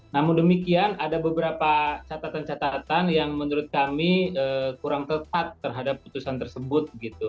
namun demikian ada beberapa catatan catatan yang menurut kami kurang tepat terhadap putusan tersebut